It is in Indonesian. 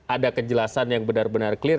ada kejelasan yang benar benar clear